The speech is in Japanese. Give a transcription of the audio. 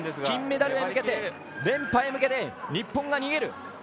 金メダルへ向け、連覇へ向け日本が逃げ切る。